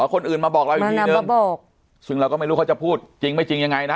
คนอื่นมาบอกเราอีกทีนึงซึ่งเราก็ไม่รู้เขาจะพูดจริงไม่จริงยังไงนะ